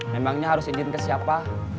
memangnya harus izin ke siapa